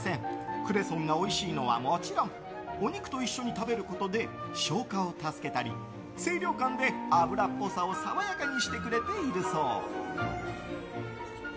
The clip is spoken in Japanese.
クレソンがおいしいのはもちろんお肉と一緒に食べることで消化を助けたり清涼感で脂っぽさを爽やかにしてくれているそう。